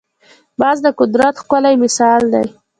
باز د قدرت ښکلی مثال دی